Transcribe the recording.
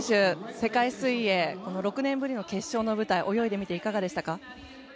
世界水泳、６年ぶりの決勝の舞台泳いでみて、いかがでしたか？